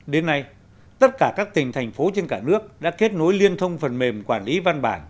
đến nay tất cả các tỉnh thành phố trên cả nước đã kết nối liên thông phần mềm quản lý văn bản